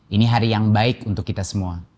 ini hari yang baik untuk kita semua